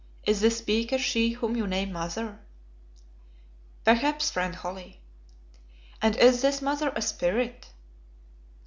Is this speaker she whom you name Mother?" "Perhaps, friend Holly." "And is this Mother a spirit?"